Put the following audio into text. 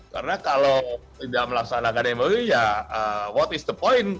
karena kalau tidak melaksanakan mou ya apa poinnya